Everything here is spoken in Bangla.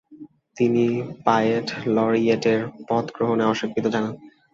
তিনি পোয়েট লরিয়েট-এর পদ গ্রহণে অস্বীকৃতি জানান।